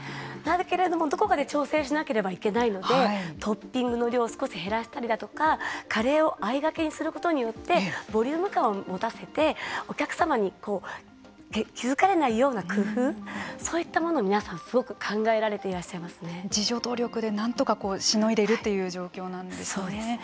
どこまで調整しなければいけないのでトッピングの量を少し減らしたりだとかカレーをあいがけにすることによってボリューム感を持たせてお客様に気付かれないような工夫そういったものを皆さんすごく自助努力で何とかしのいでいるという状況なんですね。